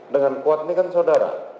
dengan kuat ini kan saudara